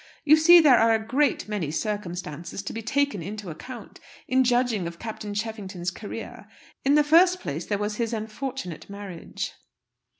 "You see, there are a great many circumstances to be taken into account, in judging of Captain Cheffington's career. In the first place, there was his unfortunate marriage."